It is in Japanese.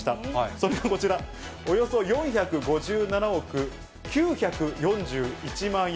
それがこちら、およそ４５７億９４１万円。